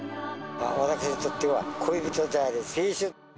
私にとっては恋人であり、青春。